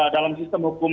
dalam sistem hukum